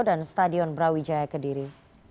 dan stadion brawijaya kediri